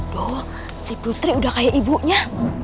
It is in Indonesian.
doh si putri udah kayak ibunya